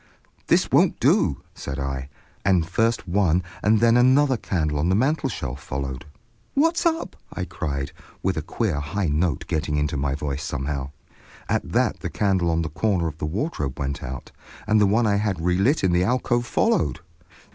"This won't do!" said I, and first one and then another candle on the mantelshelf followed. "What's up?" I cried, with a queer high note getting into my voice somehow. At that the candle on the corner of the wardrobe went out, and the one I had relit in the alcove followed.